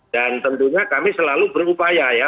dan tentunya kami selalu berupaya ya